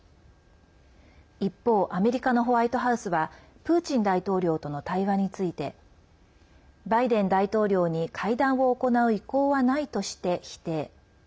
一方、アメリカのホワイトハウスはプーチン大統領との対話についてバイデン大統領に、会談を行う意向はないとして否定。